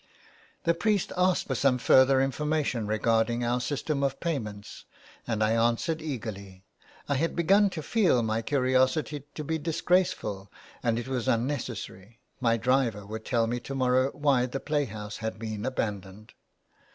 The priest asked for some further information regarding our system of payments, and I answered eagerly. I had begun to feel my curiosity to be disgraceful, and it was unnecessary ; my driver would tell me to morrow why the play house had been abandoned.